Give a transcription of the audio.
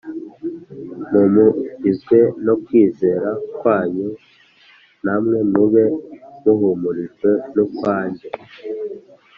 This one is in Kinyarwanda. mpumurizwe no kwizera kwanyu namwe mube muhumurijwe n’ukwanjye.